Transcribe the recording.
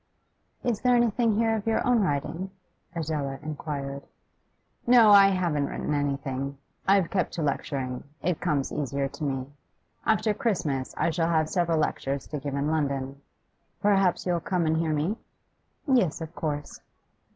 'Is there anything here of your own writing?' Adela inquired. 'No, I haven't written anything. I've kept to lecturing; it comes easier to me. After Christmas I shall have several lectures to give in London. Perhaps you'll come and hear me?' 'Yes, of course.